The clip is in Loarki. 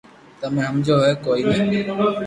تمو ھمجو ھي ڪوئي ني